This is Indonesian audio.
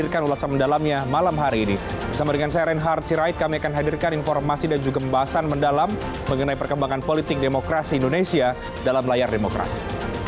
kami akan hadirkan informasi dan juga pembahasan mendalam mengenai perkembangan politik demokrasi indonesia dalam layar demokrasi